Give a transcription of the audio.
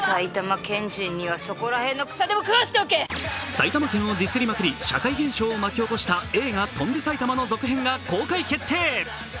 埼玉県をディすりまくり社会現象を巻き起こした映画「翔んで埼玉」の続編が公開決定。